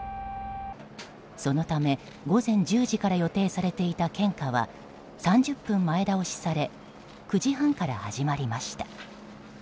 そのため、午前１０時から予定されていた献花は３０分前倒しされ９時半から始まりました。